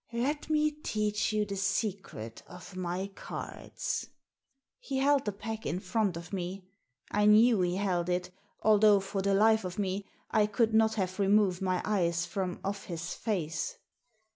" Let me teach you the secret of my cards." He held the pack in front of me — I knew he held it, although for the life of me I could not have removed my eyes from off his face.